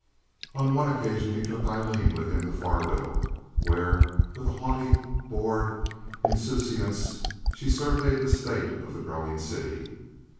On one occasion he took Aileen with him to Fargo, where with a haughty, bored insouciance she surveyed the state of the growing city.